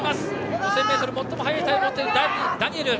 ５０００ｍ最も早いタイムを持っているダニエル。